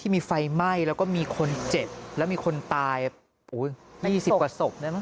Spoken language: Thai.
มีไฟไหม้แล้วก็มีคนเจ็บแล้วมีคนตาย๒๐กว่าศพนะมั